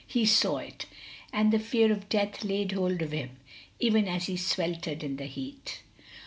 He saw it, and the fear of death laid hold of him, even as he sweltered in the heat.